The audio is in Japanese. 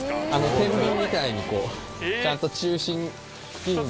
天秤みたいにちゃんと中心いいんで。